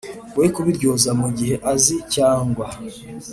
We kubiryozwa mu gihe azi cyangwa